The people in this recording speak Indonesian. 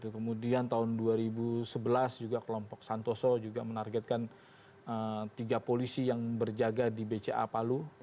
kemudian tahun dua ribu sebelas juga kelompok santoso juga menargetkan tiga polisi yang berjaga di bca palu